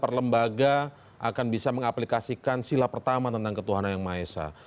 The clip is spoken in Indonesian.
lagi bagaimana seseorang orang per orang ataupun mungkin lembaga akan bisa mengaplikasikan silah pertama tentang ketuhanan yang maesah